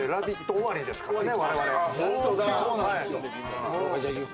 終わりですからね。